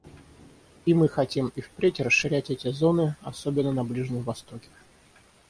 И мы хотим и впредь расширять эти зоны, особенно на Ближнем Востоке.